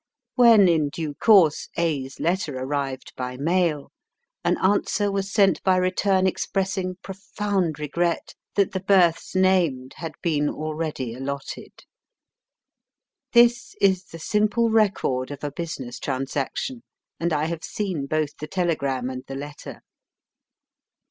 When in due course A's letter arrived by 'mail, an answer was sent by return expressing profound regret that the berths named had been already allotted. This is the simple record of a business transaction, and I have seen both the telegram and the letter.